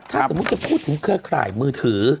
ถ้าสมมุติจะพูดถึงเครือข่ายมือถือ